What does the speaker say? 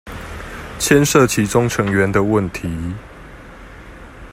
牽涉其中成員的問題